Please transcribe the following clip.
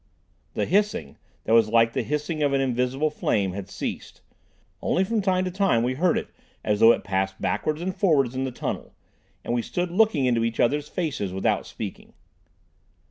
The hissing, that was like the hissing of an invisible flame, had ceased; only from time to time we heard it as though it passed backwards and forwards in the tunnel; and we stood looking into each other's faces without speaking.